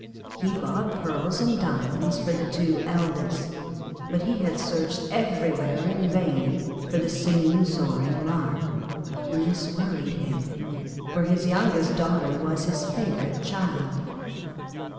He bought pearls and diamonds for the two eldest, but he had searched everywhere in vain for the singing, soaring lark, and this worried him, for his youngest daughter was his favourite child.